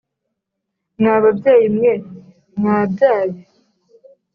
mwa babyeyi mwe mwabyaye